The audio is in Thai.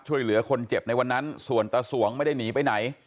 ช่วยเหลือคนเจ็บในวันนั้นส่วนตาสวงไม่ได้หนีไปไหน